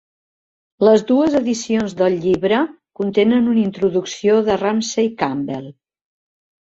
Les dues edicions del llibre contenen una introducció de Ramsey Campbell.